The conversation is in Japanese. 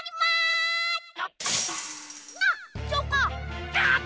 チョコタ！